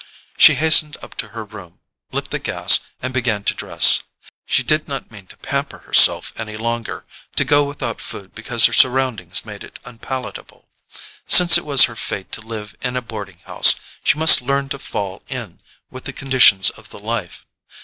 She hastened up to her room, lit the gas, and began to dress. She did not mean to pamper herself any longer, to go without food because her surroundings made it unpalatable. Since it was her fate to live in a boarding house, she must learn to fall in with the conditions of the life.